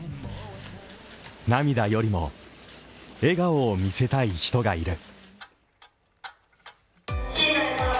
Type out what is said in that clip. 涙よりも、笑顔を見せたい人がいる。